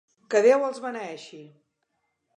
Que Déu els beneeixi!